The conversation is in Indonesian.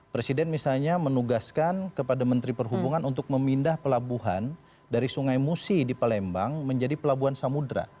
presiden misalnya menugaskan kepada menteri perhubungan untuk memindah pelabuhan dari sungai musi di palembang menjadi pelabuhan samudera